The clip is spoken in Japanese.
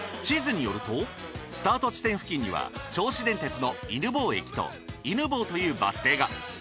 地図によるとスタート地点付近には銚子電鉄の犬吠駅と犬吠というバス停が。